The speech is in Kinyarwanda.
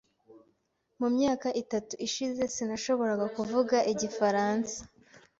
Mu myaka itatu ishize, sinashoboraga kuvuga igifaransa .